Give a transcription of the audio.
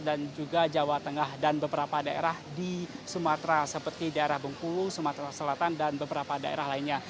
dan juga jawa tengah dan beberapa daerah di sumatera seperti daerah bengkulu sumatera selatan dan beberapa daerah lainnya